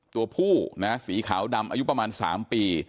ตัวผู้นะสีขาวดำอายุประมาณ๓ปี